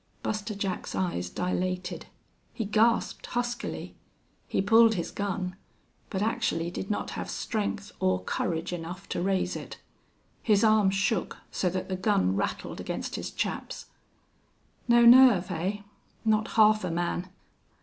Buster Jack's eyes dilated. He gasped huskily. He pulled his gun, but actually did not have strength or courage enough to raise it. His arm shook so that the gun rattled against his chaps. "No nerve, hey? Not half a man!...